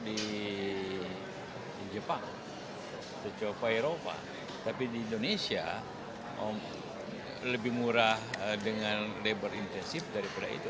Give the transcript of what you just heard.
di jepang di eropa eropa tapi di indonesia lebih murah dengan labor intensif daripada itu